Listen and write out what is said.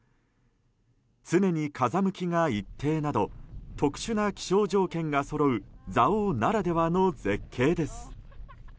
常に風向きが一定など特殊な気象条件がそろう蔵王ならではの絶景です。